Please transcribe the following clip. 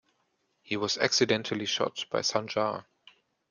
He was accidentally shot by Sanjar.